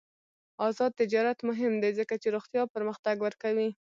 آزاد تجارت مهم دی ځکه چې روغتیا پرمختګ ورکوي.